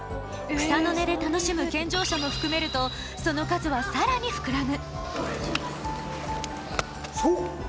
草の根で楽しむ健常者も含めるとその数は、さらに膨らむ。